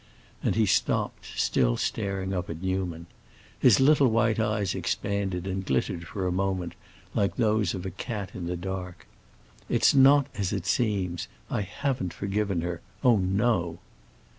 And he stopped, still staring up at Newman. His little white eyes expanded and glittered for a moment like those of a cat in the dark. "It's not as it seems. I haven't forgiven her. Oh, no!"